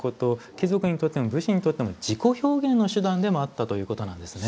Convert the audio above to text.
貴族にとっても武士にとっても自己表現の手段でもあったということなんですね。